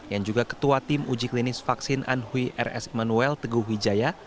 yang juga ketua tim uji klinis vaksin anhui rs immanuel teguh wijaya